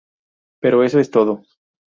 Pero eso es todo".